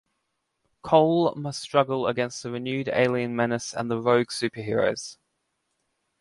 Cole must struggle against the renewed alien menace and the rogue superheroes.